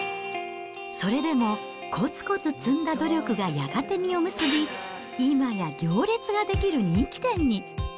それでも、こつこつ積んだ努力がやがて実を結び、今や行列が出来る人気店に。